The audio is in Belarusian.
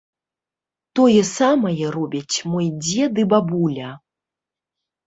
Тое самае робяць мой дзед і бабуля.